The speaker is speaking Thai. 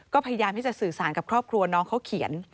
ก็พยายามที่จะสื่อสารกับครอบครัวน้องเขาเขียน